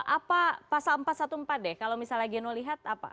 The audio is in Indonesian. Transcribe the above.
apa pasal empat ratus empat belas deh kalau misalnya geno lihat apa